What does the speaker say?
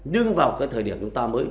nhưng vào cái thời điểm chúng ta mới